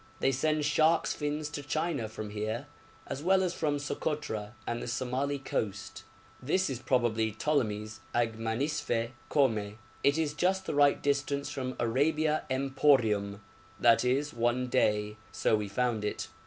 They send sharks' fins to China from here, as well as from Sokotra and the Somali coast. This is probably Ptolemy's Agmanisphe Kome. It is just the right distance from Arabia Emporium, i.e. one day; so we found it.